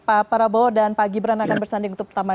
pak prabowo dan pak gibran akan bersanding untuk pertama